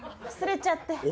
忘れちゃって。